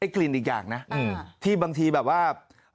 กลิ่นอีกอย่างนะที่บางทีแบบว่า